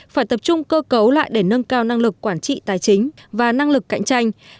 phải tập trung cơ cấu lại để nâng cao năng lực quản trị tài chính và năng lực cạnh tranh